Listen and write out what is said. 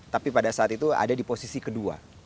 tapi pada saat itu ada di posisi kedua